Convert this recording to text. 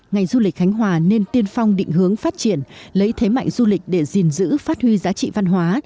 ngành du lịch khánh hòa nên tiên phong định hướng phát triển lấy thế mạnh du lịch để gìn giữ phát huy giá trị văn hóa